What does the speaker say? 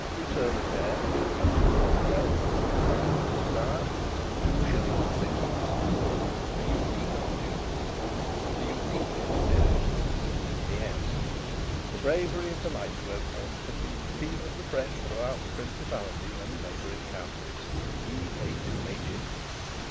Return Fare, with use of Cork Belt and Life lines if desired, 2s. 6d. A UNIQUE OPPORTUNITY A UNIQUE EXPERIENCE P.S. The bravery of the lifeboatmen has been the theme of the Press throughout the Principality and neighbouring counties. E.D. MACHIN.